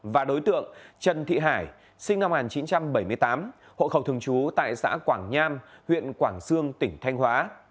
và đối tượng trần thị hải sinh năm một nghìn chín trăm bảy mươi tám hộ khẩu thường trú tại xã quảng nham huyện quảng sương tỉnh thanh hóa